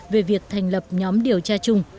về việc thành lập nhóm điều tra chung